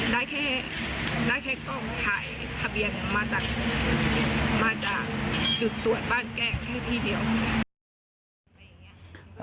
ได้แค่ได้แค่กล้องถ่ายทะเบียนมาจากจุดตรวจบ้านแกล้งแค่ที่เดียว